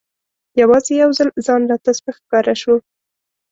یوازې یو ځل ځان راته سپک ښکاره شو.